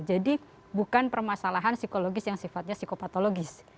jadi bukan permasalahan psikologis yang sifatnya psikopatologis